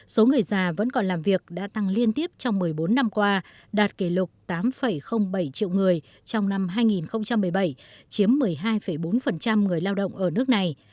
số người già vẫn còn làm việc đã tăng liên tiếp trong một mươi bốn năm qua đạt kỷ lục tám bảy triệu người trong năm hai nghìn một mươi bảy chiếm một mươi hai bốn người lao động ở nước này